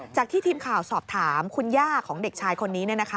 จากที่ทีมข่าวสอบถามคุณย่าของเด็กชายคนนี้